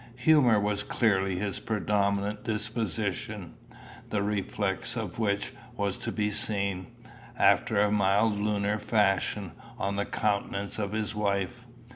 Humour was clearly his predominant disposition, the reflex of which was to be seen, after a mild lunar fashion, on the countenance of his wife.